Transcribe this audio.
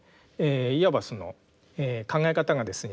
いわばその考え方がですね